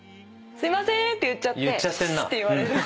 すいませーん！って言っちゃってシーッて言われる。